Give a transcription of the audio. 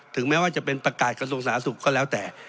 แม้ว่าจะเป็นประกาศกระทรวงสาธารณสุขก็แล้วแต่